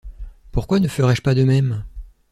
Pourquoi ne ferais-je pas de même?